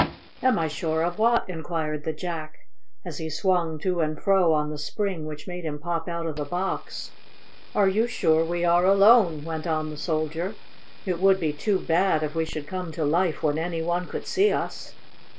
"Am I sure of what?" inquired the Jack, as he swung to and fro on the spring which made him pop out of the box. "Are you sure we are alone?" went on the Soldier. "It would be too bad if we should come to life when any one could see us."